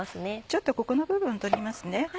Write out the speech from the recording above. ちょっとここの部分取りますね。